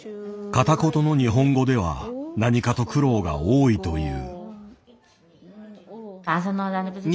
片言の日本語では何かと苦労が多いという。